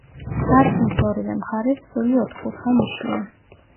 სარკმლის ორივე მხარეს წყვილი ოთკუთხა ნიშია.